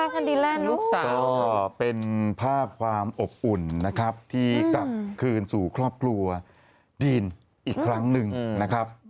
กันดีแลนด์ลูกสาวก็เป็นภาพความอบอุ่นนะครับที่กลับคืนสู่ครอบครัวดีนอีกครั้งหนึ่งนะครับ